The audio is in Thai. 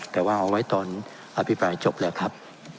แต่ว่าเอาไว้ตอนอภิปรายจบแล้วครับ